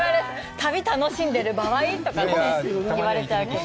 旅楽しんでる場合？とか思われちゃうけど。